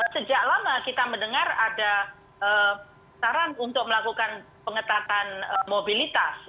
sejak lama kita mendengar ada saran untuk melakukan pengetatan mobilitas